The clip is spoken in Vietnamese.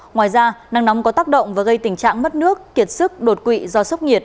ngoài ra nắng nóng có tác động và gây tình trạng mất nước kiệt sức đột quỵ do sốc nhiệt